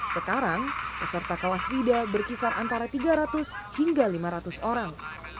sekarang peserta kelas rida berkisar antara tiga ratus hingga lima ratus orang